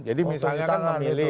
jadi misalnya kan memilih